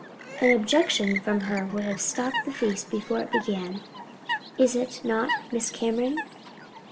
"An objection from her would have stopped the feast before it began is it not, Miss Cameron?"